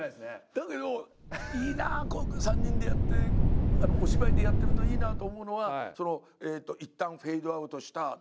だけどいいなあ３人でやってお芝居でやってるといいなと思うのはいったんフェードアウトした。